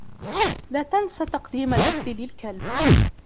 لا تنس تقديم الأكل للكلب.